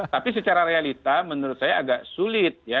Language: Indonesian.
tapi secara realita menurut saya agak sulit ya